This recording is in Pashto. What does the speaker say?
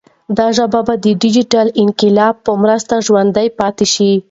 دا ژبه به د ډیجیټل انقلاب په مرسته ژوندۍ پاتې شي.